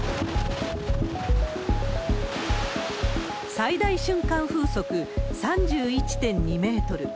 最大瞬間風速３１．２メートル。